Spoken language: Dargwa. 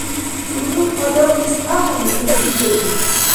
Хьунул адамлис ахӀену ил бузери?